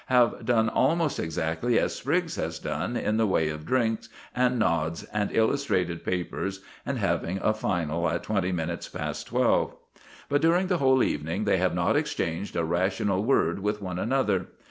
have done almost exactly as Spriggs has done in the way of drinks and nods and illustrated papers and having a final at twenty minutes past twelve. But during the whole evening they have not exchanged a rational word with one another.